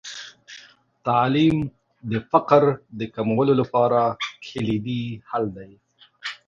تعلیم د فقر د کمولو لپاره کلیدي حل دی.